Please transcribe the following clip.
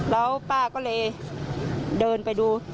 แล้วป้าก็เลยเดินไปดู